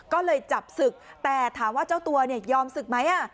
ก็เลยจับศึกแต่ถามว่าเจ้าตัวเนี่ยยอมศึกไหม